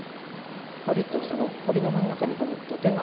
堀とその堀の真ん中に土手が。